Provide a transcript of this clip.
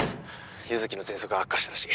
優月のぜんそくが悪化したらしい